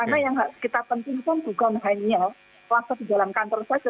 karena pentingkan bukan hanya waktu di dalam kantor saja